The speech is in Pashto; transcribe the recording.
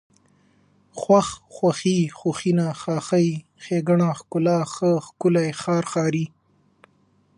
خوښ، خوښي، خوښېنه، خاښۍ، ښېګڼه، ښکلا، ښه، ښکلی، ښار، ښاري